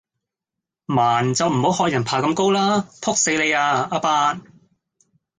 盲就唔好學人爬咁高啦，仆死你呀阿伯